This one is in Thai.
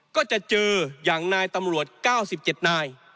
ก็จะเจออย่างนายตำรวจ๙๗นาย